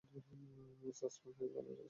Suspend হয়ে ভালো লাগছে?